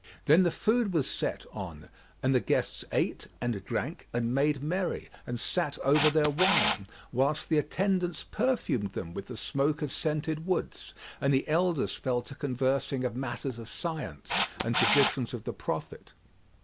Then the food was set on and the guests ate and drank and made merry and sat over their wine, whilst the attendants perfumed them with the smoke of scented woods, and the elders fell to conversing of matters of science and traditions of the Prophet.